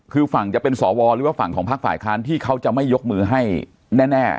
คือฝั่งจะเป็นสวหรือว่าฝั่งของภาคฝ่ายค้านที่เขาจะไม่ยกมือให้แน่